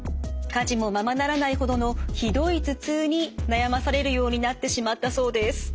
家事もままならないほどのひどい頭痛に悩まされるようになってしまったそうです。